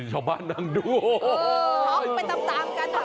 ช็อกมานั่งดูเออช็อกไปตามกัน